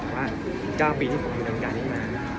แต่ว่า๙ปีที่ผมมานานการนี่มา